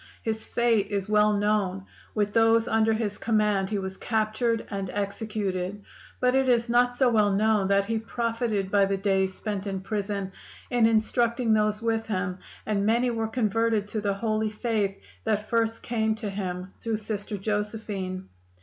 His fate is well known; with those under his command he was captured and executed. But it is not so well known that he profited by the days spent in prison, in instructing those with him; and many were converted to the holy faith that first came to him through Sister Josephine.